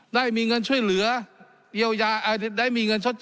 ได้มีเงินช่วยเหลือยาวยาวอ่อยได้มีเงิน